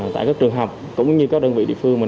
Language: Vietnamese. tại các trường học cũng như các đơn vị địa phương